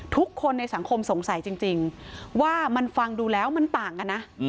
ทุกคนในสังคมสงสัยจริงว่ามันฟังดูแล้วมันต่างกันนะ